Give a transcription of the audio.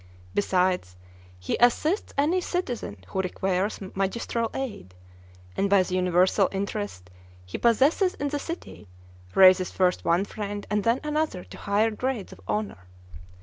Besides, he assists any citizen who requires magisterial aid; and, by the universal interest he possesses in the city, raises first one friend and then another to higher grades of honor.